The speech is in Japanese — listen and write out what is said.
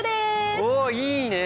おいいね！